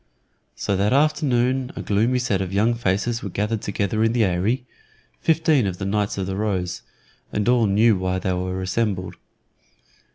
So that afternoon a gloomy set of young faces were gathered together in the Eyry fifteen of the Knights of the Rose and all knew why they were assembled.